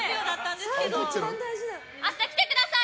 明日、来てください！